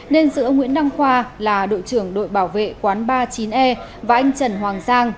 nên giữa nguyễn đăng khoa là đội trưởng đội bảo vệ quán ba mươi chín e và anh trần hoàng giang